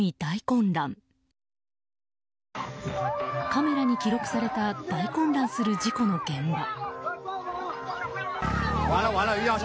カメラに記録された大混乱する事故の現場。